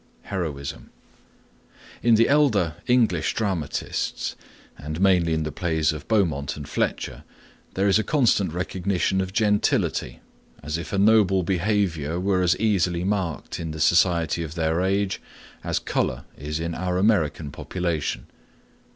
HEROISM In the elder English dramatists, and mainly in the plays Of Beaumont and Fletcher, there is a constant recognition of gentility, as if a noble behavior were as easily marked in the society of their age as color is in our American population.